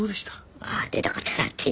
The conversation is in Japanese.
ああ出たかったなっていう。